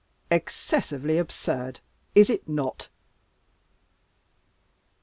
Excessively absurd, is it not?"